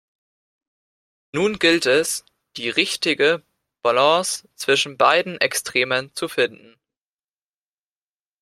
Nun gilt es, die richtige Balance zwischen beiden Extremen zu finden.